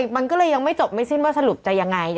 มันก็เลยยังไม่จบไม่สิ้นว่าสรุปจะยังไง